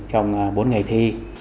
trong bốn ngày thi